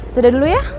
sudah dulu ya